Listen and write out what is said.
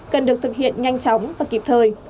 cần được thực hiện nhanh chóng và kịp thời